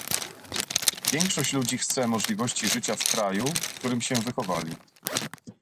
Większość ludzi chce możliwości życia w kraju, w którym się wychowali